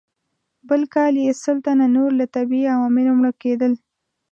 بل کال یې سل تنه نور له طبیعي عواملو مړه کېدل.